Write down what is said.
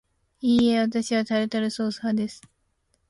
いいえ、わたしはタルタルソース派です